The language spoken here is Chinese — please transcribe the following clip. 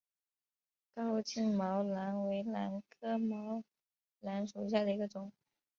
高茎毛兰为兰科毛兰属下的一个种。